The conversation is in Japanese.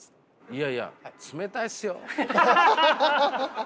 いやいや冷たいっすよ。